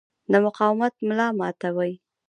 د مقاومت ملا ماتوي.